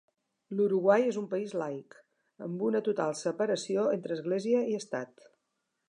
L'Uruguai és un país laic, amb una total separació entre Església i Estat.